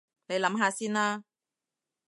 你諗下先啦